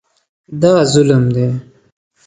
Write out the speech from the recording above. دا ظلم دی.